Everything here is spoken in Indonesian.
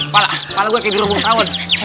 pala gue kayak dirubung awan